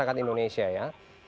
masyarakat indonesia ya